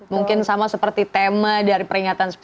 mungkin sama seperti tema dari peringatan sepuluh